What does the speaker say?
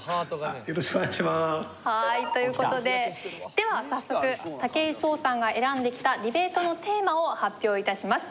という事ででは早速武井壮さんが選んできたディベートのテーマを発表致します。